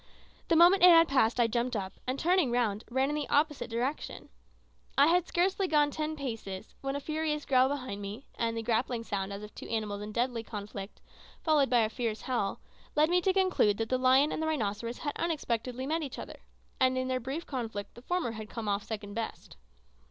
The moment it had passed I jumped up, and turning round, ran in the opposite direction. I had scarcely gone ten paces when a furious growl behind me, and the grappling sound as of two animals in deadly conflict, followed by a fierce howl, led me to conclude that the lion and the rhinoceros had unexpectedly met each other, and that in their brief conflict the former had come off second best.